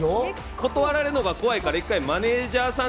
断られるのが怖いからマネジャーさん